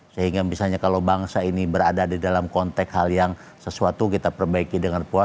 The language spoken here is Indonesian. sehingga misalnya kalau bangsa ini berada di dalam konteks hal yang sesuatu kita perbaiki dengan puas